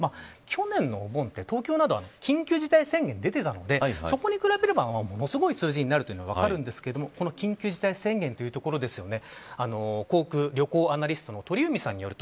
去年のお盆は東京など緊急事態宣、出ていたのでそこに比べると、ものすごい数字になるのは分かるんですがこの緊急事態宣言というところですよね。